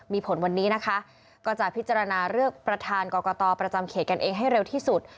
มีผลวันนี้นะคะก็จะพิจารณาเลือกประธานกรกตประจำเขตกันเองให้เร็วที่สุด